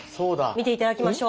見て頂きましょう。